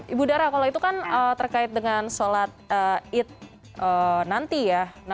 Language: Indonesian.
ibu dara kalau itu kan terkait dengan sholat id nanti ya